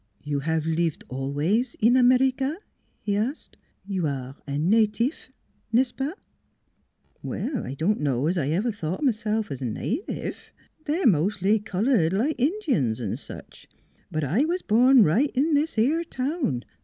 "You have lived always in America?" he asked. "You are a native n'est ce pas?" ' Well, I don' know as I ever thought o' m'self 's a native; they're mostly colored, like Injuns an' such but I was born right in this 'ere town.